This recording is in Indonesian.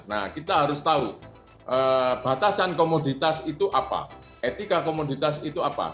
nah kita harus tahu batasan komoditas itu apa etika komoditas itu apa